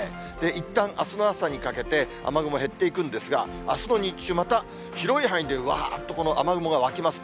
いったんあすの朝にかけて、雨雲減っていくんですが、あすの日中また、広い範囲でうわーっとこの雨雲が湧きます。